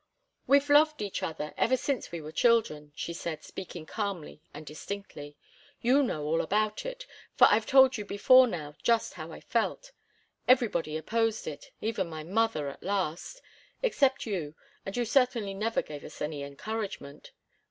"We've loved each other ever since we were children," she said, speaking calmly and distinctly. "You know all about it, for I've told you before now just how I felt. Everybody opposed it even my mother, at last except you, and you certainly never gave us any encouragement."